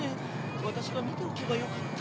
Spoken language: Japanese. わたしが見ておけばよかった。